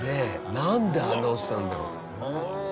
なんであんな事したんだろう？